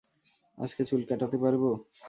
আজকে চুল কাটাতে পারব?